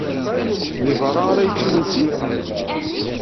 Deg beṛṛa ara yečč imensi?